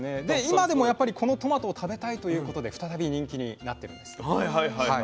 で今でもやっぱりこのトマトを食べたいということで再び人気になってるんです。